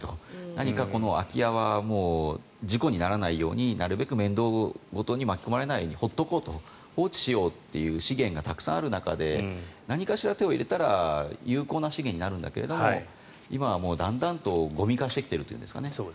何か、空き家は事故にならないようになるべく面倒ごとに巻き込まれないように放っておこう放置しようという資源がたくさんある中で何かしら手を入れたら有効な資源になるんだけれどもだんだんとゴミ化してきているというんですかね。